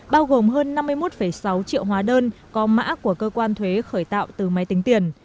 bao gồm hơn năm mươi một sáu triệu hóa đơn có mã của cơ quan thuế khởi tạo từ máy tính tiền